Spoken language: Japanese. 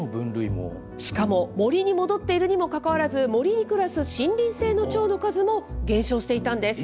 しかも、森に戻っているにもかかわらず、森に暮らす森林性のチョウの数も減少していたんです。